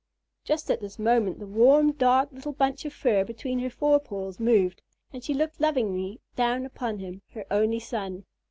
Just at this moment, the warm, dark little bunch of fur between her forepaws moved, and she looked lovingly down upon him, her only son.